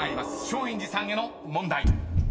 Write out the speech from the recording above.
松陰寺さんへの問題］